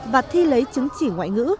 và thi lấy chứng chỉ ngoại ngữ